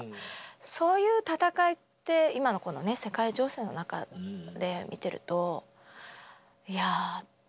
そういう戦いって今のこの世界情勢の中で見てるといやあって。